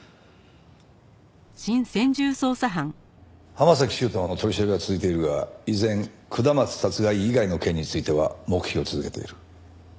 浜崎修斗の取り調べは続いているが依然下松殺害以外の件については黙秘を続けている。